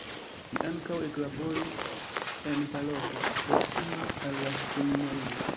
Li ankaŭ eklaboris en paroĥo proksima al la seminario.